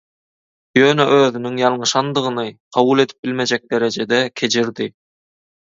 Ýöne özüniň ýalňyşandygyny kabul edip bilmejek derejede kejirdi.